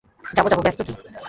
যাব যাব, ব্যস্ত কী?